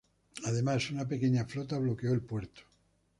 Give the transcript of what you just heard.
Además, una pequeña flota bloqueó el puerto.